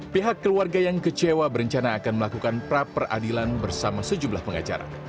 pihak keluarga yang kecewa berencana akan melakukan pra peradilan bersama sejumlah pengacara